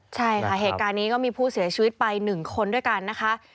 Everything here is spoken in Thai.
ใช่ค่ะเหตุการณ์นี้ก็มีผู้เสียชีวิตไป๑คนด้วยกันนะคะ